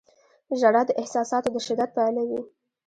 • ژړا د احساساتو د شدت پایله وي.